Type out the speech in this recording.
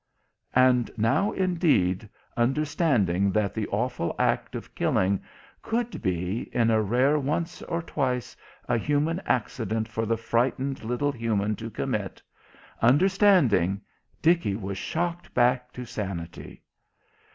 And now, indeed, understanding that the awful act of killing could be, in a rare once or twice, a human accident for the frightened little human to commit understanding, Dickie was shocked back to sanity.